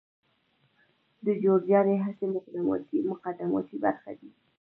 د جور جارې هڅې مقدماتي برخي دي.